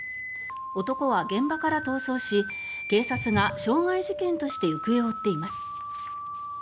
男は現場から逃走し警察が傷害事件として行方を追っています。